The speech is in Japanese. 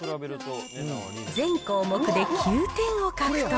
全項目で９点を獲得。